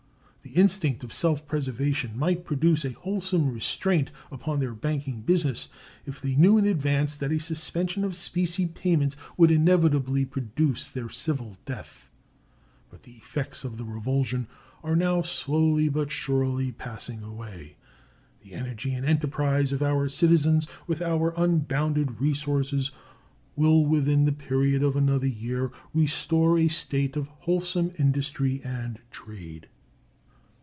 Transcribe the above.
The instinct of self preservation might produce a wholesome restraint upon their banking business if they knew in advance that a suspension of specie payments would inevitably produce their civil death. But the effects of the revulsion are now slowly but surely passing away. The energy and enterprise of our citizens, with our unbounded resources, will within the period of another year restore a state of wholesome industry and trade.